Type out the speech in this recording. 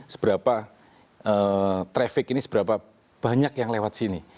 seberapa traffic ini seberapa banyak yang lewat sini